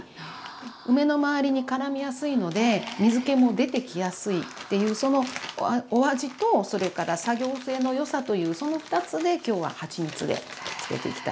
梅のまわりにからみやすいので水けも出てきやすいっていうそのお味とそれから作業性のよさというその２つで今日ははちみつで漬けていきたいと思います。